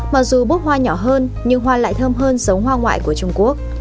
mà dù bút hoa nhỏ hơn nhưng hoa lại thơm hơn giống hoa ngoại của trung quốc